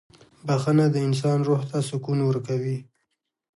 • بخښنه د انسان روح ته سکون ورکوي.